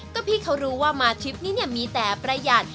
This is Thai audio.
ก็พี่เขารู้ว่ามาทริปนี้มีแต่ประหยัด